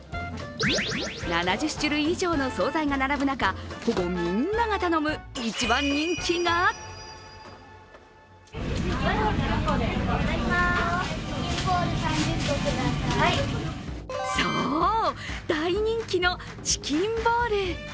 ７０種類以上の総菜が並ぶ中、ほぼみんなが頼む一番人気がそう、大人気のチキンボール。